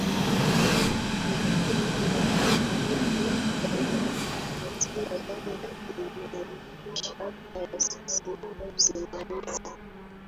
makuu ya kufaulu yanatia ndani kuimarisha taasisi na usimamizi